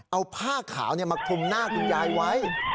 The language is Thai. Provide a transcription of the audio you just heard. เอาผ้าขาวมาคลุมหน้าคุณยายไว้